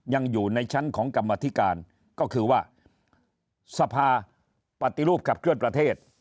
ยังอยู่ในชั้นของกรรมธิการก็คือว่าสภาปฏิรูปขับเคลื่อนประเทศ